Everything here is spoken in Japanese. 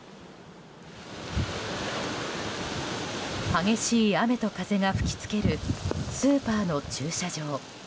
激しい雨と風が吹きつけるスーパーの駐車場。